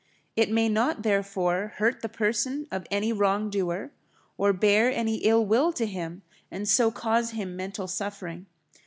It may not, therefore, hurt the person of any wrong doer, or bear any ill will to him and so cause him mental suffering.